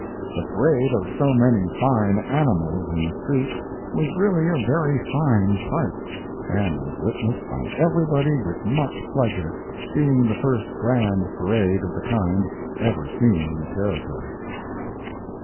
The parade of so many fine animals in the streets was really a very fine sight, and was witnessed by everybody with much pleasure, being the first grand parade of the kind ever seen in the Territory.